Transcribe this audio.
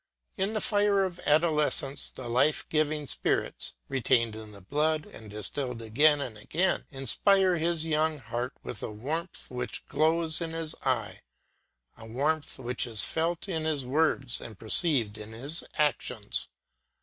In the fire of adolescence the life giving spirits, retained in the blood and distilled again and again, inspire his young heart with a warmth which glows in his eye, a warmth which is felt in his words and perceived in his actions.